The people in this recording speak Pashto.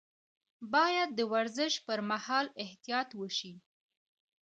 باید د ورزش پر مهال احتیاط وشي.